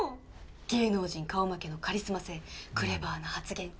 芸能人顔負けのカリスマ性、クレーバーな発言。